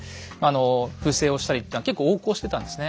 不正をしたりっていうのは結構横行してたんですね。